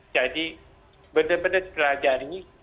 jadi benar benar pelajari